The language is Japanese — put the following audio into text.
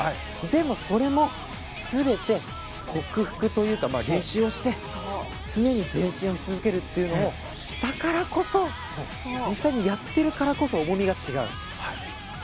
でも、それも全て克服というか練習をして常に前進し続けるというのもだからこそ、実際にやっているからこそ重みが違う。